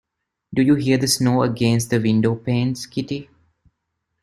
Do you hear the snow against the window-panes, Kitty?